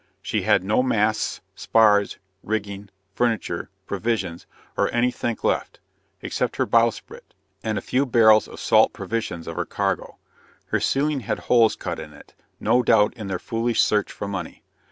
She had no masts, spars, rigging, furniture, provisions or any think left, except her bowsprit, and a few barrels of salt provisions of her cargo. Her ceiling had holes cut in it, no doubt in their foolish search for money.